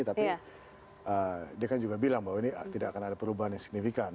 tapi dia kan juga bilang bahwa ini tidak akan ada perubahan yang signifikan